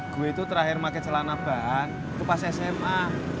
gue itu terakhir pake celana bak itu pas sma